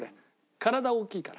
体大きいから。